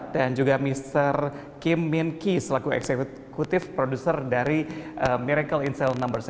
dan juga mr kim min ki selaku eksekutif produser dari miracle in cell no tujuh